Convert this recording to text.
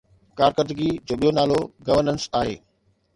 ڪارڪردگي جو ٻيو نالو گورننس آهي.